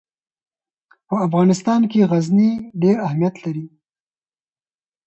په افغانستان کې غزني ډېر اهمیت لري.